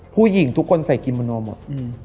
ผู้หญิงทุกคนใส่กิโมโนหมด